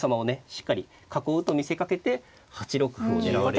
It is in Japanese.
しっかり囲うと見せかけて８六歩を狙われると。